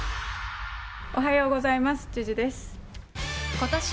おはようございます。